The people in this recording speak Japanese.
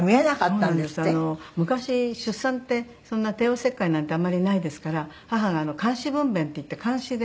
昔出産ってそんな帝王切開なんてあんまりないですから母が鉗子分娩っていって鉗子で。